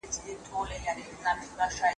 خوشال بابا د تورې شرافت وساته